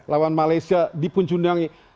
lawan malaysia di puncunjangi